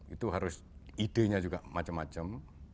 itu harus idenya juga macam macam